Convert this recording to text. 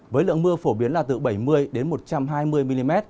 với lượng mưa phổ biến là từ bảy mươi một trăm hai mươi mm